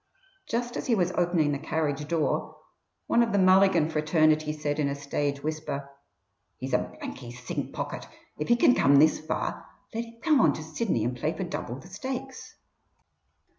Just as he was opening the carriage door, one of the Mulligan fraternity said in a stage whisper: "He's a blanky sink pocket. If he can come this far, let him come on to Sydney and play for double the stakes."